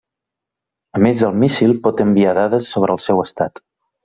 A més el míssil pot enviar dades sobre el seu estat.